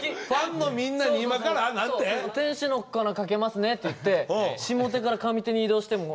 「天使の粉かけますね」って言って下手から上手に移動して。